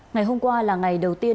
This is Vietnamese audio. ngày hôm qua là ngày đầu tiên